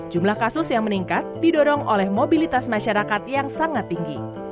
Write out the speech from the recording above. jumlah kasus yang meningkat didorong oleh mobilitas masyarakat yang sangat tinggi